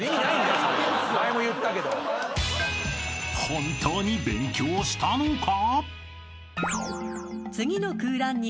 ［本当に勉強したのか？］